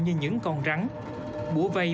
và những con rắn búa vây